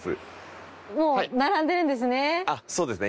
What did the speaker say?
もう並んでるんですね。